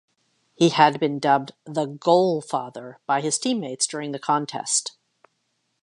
He had been dubbed 'The Golfather' by his teammates during the contest.